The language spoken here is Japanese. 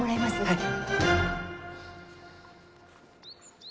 はい。